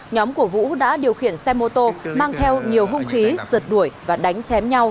nhóm của vũ đã điều khiển xe mô tô mang theo nhiều hung khí rượt đuổi và đánh chém nhau